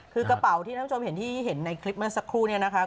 คือกระเป๋าที่ท่านผู้ชมเห็นที่เห็นในคลิปเมื่อสักครู่เนี่ยนะคะ